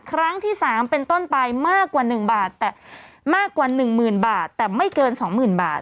ครั้งที่สามเป็นต้นไปมากกว่า๑๐๐๐บาทแต่ไม่เกิน๒๐๐๐บาท